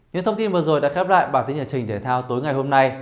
những thông tin vừa rồi đã khép lại bản tin nhật trình thể thao tối ngày hôm nay